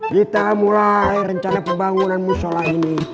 kita mulai rencana pembangunan musola ini